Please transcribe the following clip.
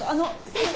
先生！